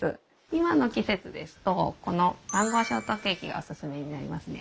今の季節ですとこのマンゴーショートケーキがおすすめになりますね。